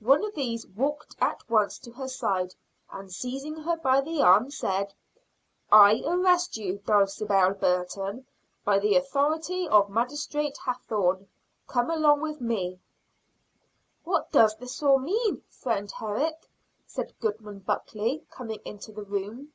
One of these walked at once to her side, and seizing her by the arm said, "I arrest you, Dulcibel Burton, by the authority of Magistrate Hathorne. Come along with me." "What does all this mean, friend Herrick?" said Goodman Buckley, coming into the room.